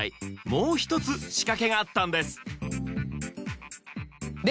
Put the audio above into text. もう１つ仕掛けがあったんですで